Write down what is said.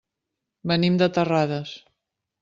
Venim de Terrades.